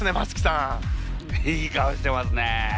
いい顔してますね。